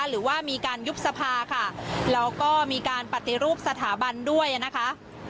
หรือว่ามีการยุบสภาค่ะแล้วก็มีการปฏิรูปสถาบันด้วยนะคะ